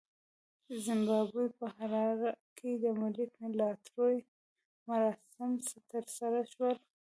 د زیمبابوې په حراره کې د ملي لاټرۍ مراسم ترسره شول.